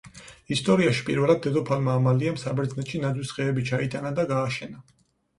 ისტორიაში პირველად, დედოფალმა ამალიამ საბერძნეთში ნაძვის ხეები ჩაიტანა და გააშენა.